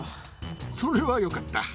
それはよかった。